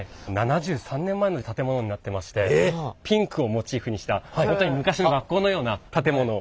７３年前の建物になってましてピンクをモチーフにした本当に昔の学校のような建物になっております。